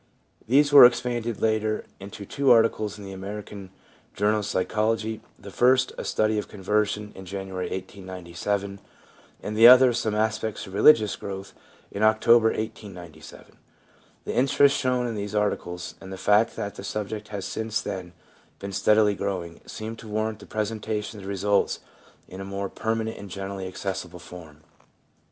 These were expanded later into two articles in the American Journal of Psychology — the first, * A Study of Conversion/ in January 1897 ; and the other, ' Some Aspects of Religious Growth/ in October 1897. The interest shown in the articles, and the fact that the subject has since then been steadily growing, seem to warrant the presentation of the results in a more permanent and generally accessible form.